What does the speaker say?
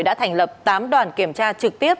đã thành lập tám đoàn kiểm tra trực tiếp